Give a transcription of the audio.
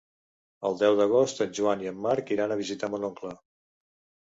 El deu d'agost en Joan i en Marc iran a visitar mon oncle.